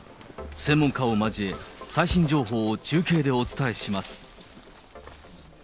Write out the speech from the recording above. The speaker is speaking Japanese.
専門家を交え、最新情報を中継でお伝えします。